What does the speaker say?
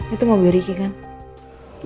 itu mau diriki kan